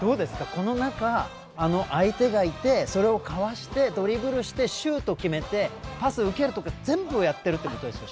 この中、相手がいてそれをかわしてドリブルしてシュート決めてパス受けるとか全部、やってるってことですよ